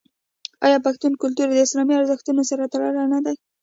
آیا پښتون کلتور د اسلامي ارزښتونو سره تړلی نه دی؟